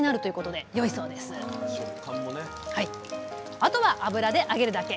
あとは油で揚げるだけ！